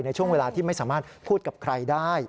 ในช่วงเวลาที่ไม่สามารถพูดกับใครได้